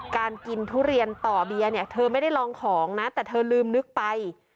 การกินทุเรียนต่อเบียร์เนี่ยเธอไม่ได้ลองของนะแต่เธอลืมนึกไป